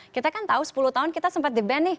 kita kan tahu sepuluh tahun kita sempat di ban nih